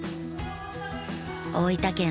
大分県